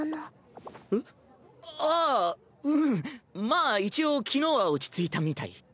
まあ一応昨日は落ち着いたみたい。